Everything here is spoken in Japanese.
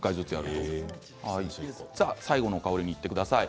最後の香りにいってください。